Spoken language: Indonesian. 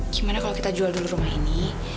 gimana kalau kita jual dulu rumah ini